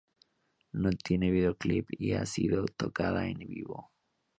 No tiene videoclip y no ha sido tocada en vivo.